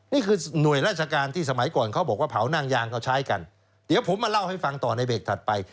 นี่คือหน่วยราชการที่สมัยก่อนเขาบอกว่าเผานั่งยางเขาใช้กันเดี๋ยวผมมาเล่าให้ฟังต่อในเบรกถัดไป